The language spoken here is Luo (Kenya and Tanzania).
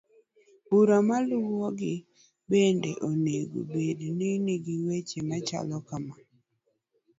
barua maluwogi bende onego bed ni nigi weche machalo kama